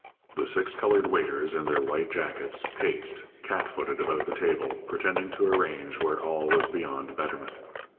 The six coloured waiters, in their white jackets, paced, cat footed, about the table, pretending to arrange where all was beyond betterment.